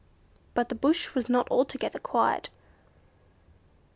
But the bush was not altogether quiet.